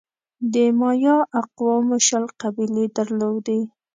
د مایا اقوامو شل قبیلې درلودې.